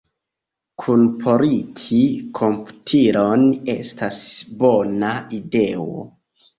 Kunporti komputilon estas bona ideo.